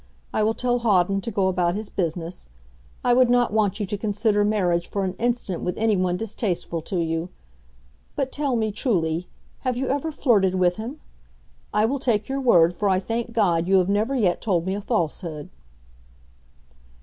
I will tell Hawden to go about his business. I would not want you to consider marriage for an instant with anyone distasteful to you. But tell me truly, have you ever flirted with him? I will take your word, for I thank God you have never yet told me a falsehood!"